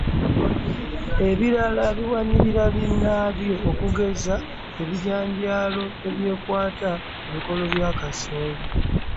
Ebirala biwanirira binnaabyo okugeza, ebijanjaalo ebyekwata ku bikolo bya kasooli.